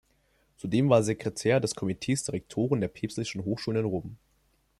Zudem war er Sekretär des Komitees der Rektoren der Päpstlichen Hochschulen in Rom.